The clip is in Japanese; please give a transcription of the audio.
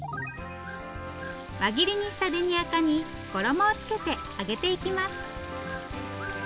輪切りにした紅赤に衣をつけて揚げていきます。